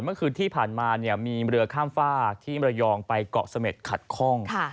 เมื่อคืนที่ผ่านมามีเรือข้ามฝากที่มรยองไปเกาะเสม็ดขัดคล่อง